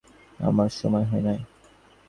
অন্নপূর্ণা কহিলেন, না, এখনো আমার সময় হয় নাই।